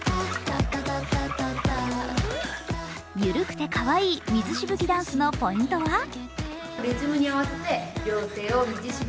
緩くてかわいい水しぶきダンスのポイントは？